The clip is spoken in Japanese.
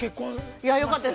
◆いや、よかったです。